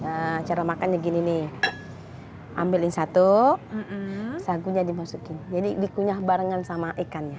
nah cara makannya gini nih ambilin satu sagunya dimasukin jadi dikunyah barengan sama ikannya